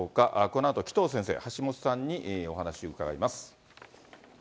このあと紀藤先生、橋下さんにお話を伺います。